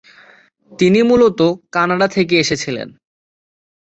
তিনি মূলত কানাডা থেকে এসেছিলেন।